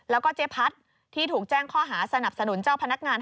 แล้วก็เจ๊พัดที่ถูกแจ้งข้อหาสนับสนุนเจ้าพนักงาน